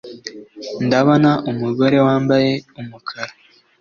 Ndabona umugore wambaye umukara